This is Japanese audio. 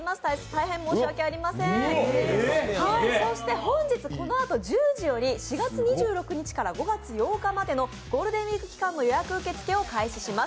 大変申し訳ありません、そして本日このあと１０時より４月２６日から５月８日までのゴールデンウイーク期間の予約受け付けを開始します。